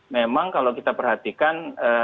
memang kalau kita perhatikan